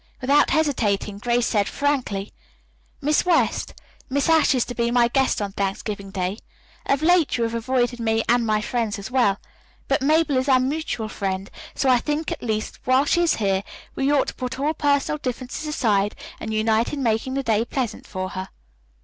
Without hesitating, Grace said frankly: "Miss West, Miss Ashe is to be my guest on Thanksgiving Day. Of late you have avoided me, and my friends as well. But Mabel is our mutual friend. So I think, at least while she is here, we ought to put all personal differences aside and unite in making the day pleasant for her."